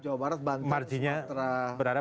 jawa barat banjung sumatera